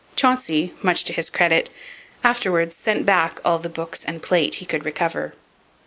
Chauncey, much to his credit, afterwards sent back all the books and plate he could recover.